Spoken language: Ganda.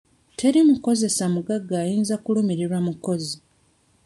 Teri mukozesa mugagga ayinza kulumirirwa mukozi.